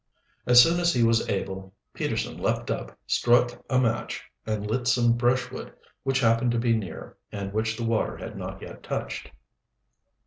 As soon as he was able Peterson leaped up, struck a match, and lit some brushwood which happened to be near and which the water had not yet touched.